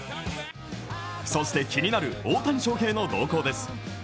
そして気になる大谷翔平の動向です。